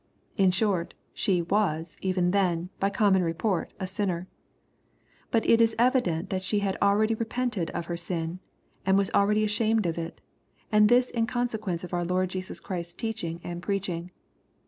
In short, she " was" even then, by common report, a sinner. But it is evident that she had already repented of her sin, and was already ashamed of it, and this in consequence of our Lord Jesus Christ's teaching and preaching.